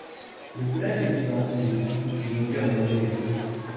Le pelage est dense et doux, de longueur modérée.